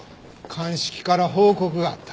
鑑識から報告があった。